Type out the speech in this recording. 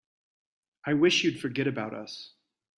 I wish you'd forget about us.